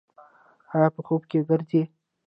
ایا په خوب کې ګرځئ؟